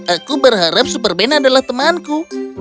aku berharap super benn adalah temanku